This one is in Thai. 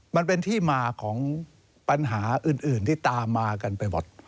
มันเป็นที่มาของปัญหาอื่นที่ตามมากันไปหมด